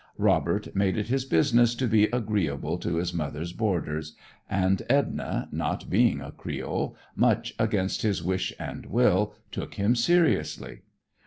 "Robert" made it his business to be agreeable to his mother's boarders, and "Edna," not being a creole, much against his wish and will, took him seriously.